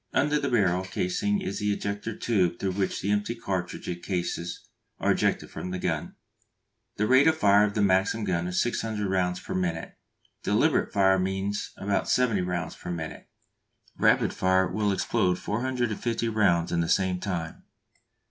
Under the barrel casing is the ejector tube through which the empty cartridge cases are ejected from the gun. The rate of fire of the Maxim gun is 600 rounds per minute. Deliberate fire means about 70 rounds per minute; rapid fire will explode 450 rounds in the same time.